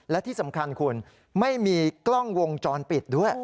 และที่สำคัญคุณไม่มีกล้องวงจรปิดด้วย